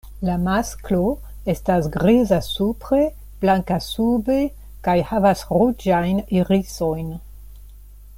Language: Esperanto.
La masklo estas griza supre, blanka sube kaj havas ruĝajn irisojn.